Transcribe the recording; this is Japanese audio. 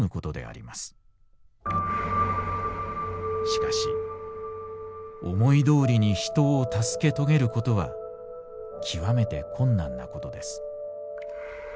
しかし思いどおりに人を助け遂げることはきわめて困難なことです」。